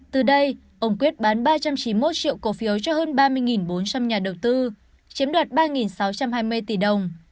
từ đây ông quyết bán ba trăm chín mươi một triệu cổ phiếu cho hơn ba mươi bốn trăm linh nhà đầu tư chiếm đoạt ba sáu trăm hai mươi tỷ đồng